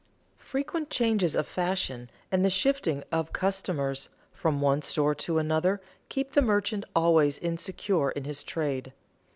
Frequent changes of fashion and the shifting of customers from one store to another keep the merchant always insecure in his trade.